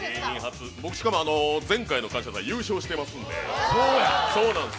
僕、しかも前回の「感謝祭」優勝してますんで。